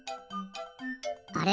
あれ？